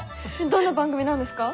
どんな番組なんですか？